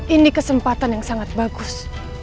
ini kesempatan yang sangat bagus